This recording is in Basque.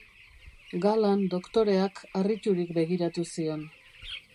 Galan doktoreak harriturik begiratu zion.